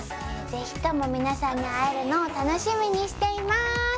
ぜひとも皆さんに会えるのを楽しみにしていまーす